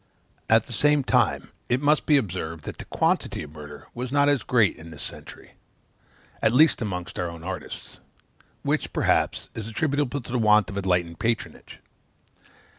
At the same time, it must be observed, that the quantity of murder was not great in this century, at least amongst our own artists; which, perhaps, is attributable to the want of enlightened patronage.